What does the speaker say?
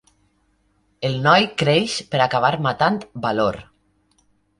El noi creix per acabar matant Balor.